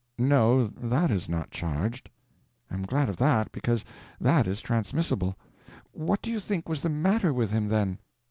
"No, that is not charged." "I am glad of that, because that is transmissible. What do you think was the matter with him, then?"